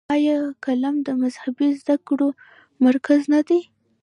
آیا قم د مذهبي زده کړو مرکز نه دی؟